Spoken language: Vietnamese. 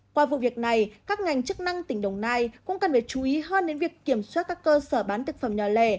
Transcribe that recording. qua vụ việc này các ngành chức năng tỉnh đồng nai cũng cần phải chú ý hơn đến việc kiểm soát các cơ sở bán thực phẩm nhỏ lẻ